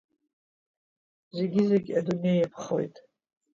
Зегьы-зегьы адунеи иаԥхоит.